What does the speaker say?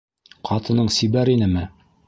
Ҡатының сибәр инеме?